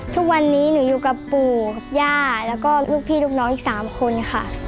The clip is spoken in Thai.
ทุกวันนี้หนูอยู่กับปู่กับย่าแล้วก็ลูกพี่ลูกน้องอีก๓คนค่ะ